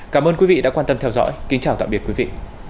cảm ơn quý vị đã quan tâm theo dõi kính chào tạm biệt quý vị